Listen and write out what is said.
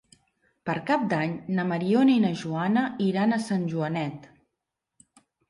Per Cap d'Any na Mariona i na Joana iran a Sant Joanet.